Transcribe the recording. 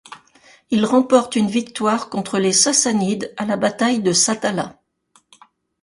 Il remporte une victoire contre les Sassanides à la bataille de Satala.